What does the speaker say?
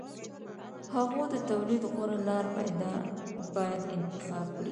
هغوی د تولید غوره لار باید انتخاب کړي